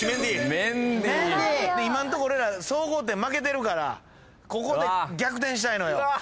今んとこ俺ら総合点負けてるからここで逆転したいのよ。